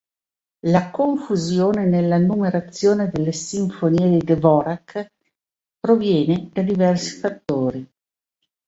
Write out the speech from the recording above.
La confusione nella numerazione delle sinfonie di Dvořák proviene da diversi fattori.